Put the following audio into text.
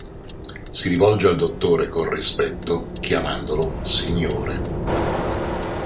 Si rivolge al Dottore con rispetto chiamandolo "signore".